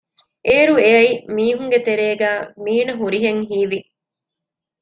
އޭރު އެއައި މީހުންގެތެރޭގައި މީނަ ހުރިހެން ހީވި